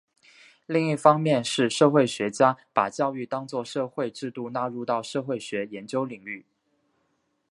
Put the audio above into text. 另一方是社会学家把教育当作社会制度纳入到社会学研究领域。